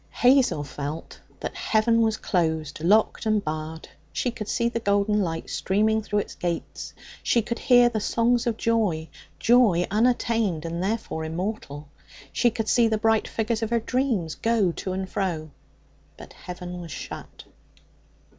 Hazel felt that heaven was closed locked and barred. She could see the golden light stream through its gates. She could hear the songs of joy joy unattained and therefore immortal; she could see the bright figures of her dreams go to and fro. But heaven was shut.